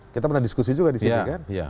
kita pernah diskusi juga disini kan